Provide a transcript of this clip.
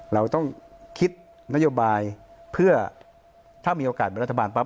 เราต้องคิดนโยบายเพื่อถ้ามีโอกาสเป็นรัฐบาลปั๊